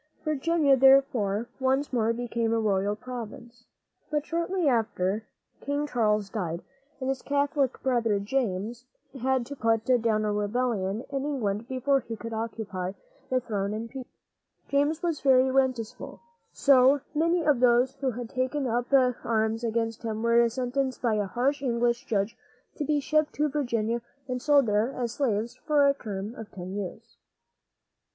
Virginia, therefore, once more became a royal province. But shortly after, King Charles died, and his Catholic brother, James, had to put down a rebellion in England before he could occupy the throne in peace. James was very resentful; so many of those who had taken up arms against him were sentenced by a harsh English judge to be shipped to Virginia and sold there as slaves for a term of ten years.